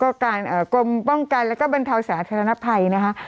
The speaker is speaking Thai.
ก็การกรมป้องกันแล้วก็บรรเทาสาธารณภัยนะคะ